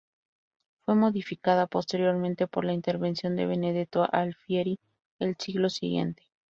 Fue modificada posteriormente por la intervención de Benedetto Alfieri el siglo siguiente.